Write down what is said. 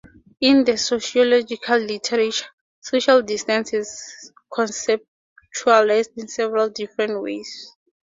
In the sociological literature, social distance is conceptualized in several different ways.